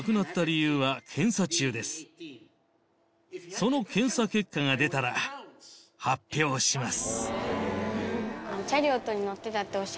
その検査結果が出たら発表します。